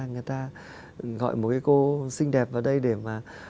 người ta gọi một cái cô xinh đẹp vào đây để mà